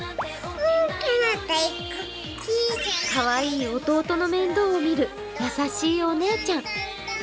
かわいい弟の面倒を見る優しいお姉ちゃん。